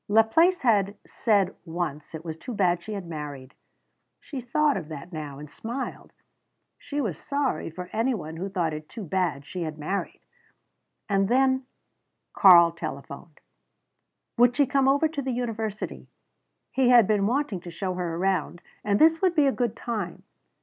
Laplace had said once it was too bad she had married. She thought of that now, and smiled. She was sorry for any one who thought it too bad she had married! And then Karl telephoned. Would she come over to the university? He had been wanting to show her around, and this would be a good time.